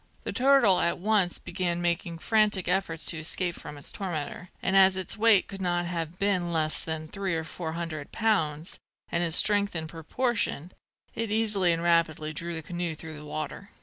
The turtle at once began making frantic efforts to escape from its tormentor; and as its weight could not have been less than three or four hundred pounds, and its strength in proportion, it easily and rapidly drew the canoe through the water.